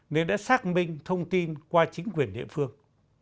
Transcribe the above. nên đã xác minh thông tin qua chính quyền địa phương